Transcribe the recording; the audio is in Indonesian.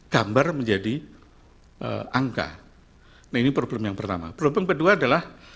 gambar menjadi angka ini problem yang pertama problem kedua adalah